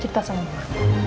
cerita sama mama